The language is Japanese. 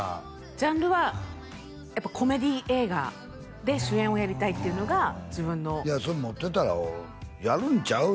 ジャンルはやっぱコメディー映画で主演をやりたいっていうのが自分の持ってたらやるんちゃう？